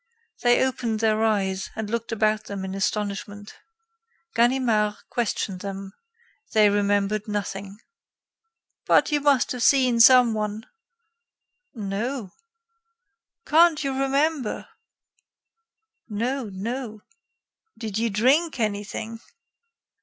They opened their eyes and looked about them in astonishment. Ganimard questioned them; they remembered nothing. "But you must have seen some one?" "No." "Can't you remember?" "No, no." "Did you drink anything?"